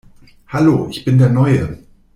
Hallo, ich bin der Neue!